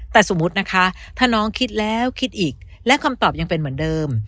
แต่สมมุตินะคะถ้าน้องคิดแล้วคิดอีกและคำตอบยังเป็นเหมือนเดิม